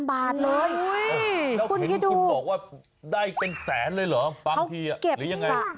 แล้วเห็นคุณบอกว่าได้เป็นแสนเลยเหรอบางทีหรือยังไง